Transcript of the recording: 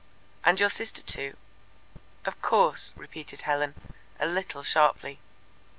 "And your sister too?" "Of course," repeated Helen, a little sharply.